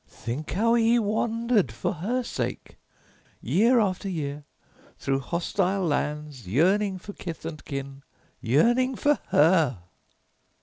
Think how he wandered, for her sake, year after year, through hostile lands, yearning for kith and kin, yearning for her!"